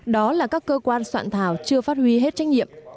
đó là các cơ quan soạn thảo chưa phát huy hết trách nhiệm